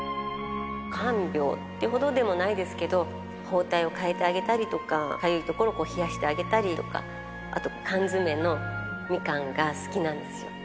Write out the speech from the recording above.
看病ってほどでもないですけど、包帯を替えてあげたりとか、かゆいところを冷やしてあげたりとか、あと缶詰のみかんが好きなんですよ。